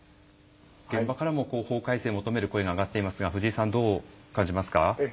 現場からも法改正を求める声が上がっていますがどう感じますか？